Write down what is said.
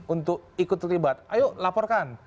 untuk ikut terlibat ayo laporkan